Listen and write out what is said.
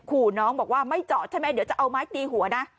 ขู่น้องบอกว่าไม่จอดใช่ไหม